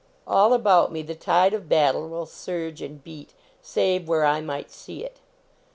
All about me the tide of battle will surge and beat, save where I might sec it.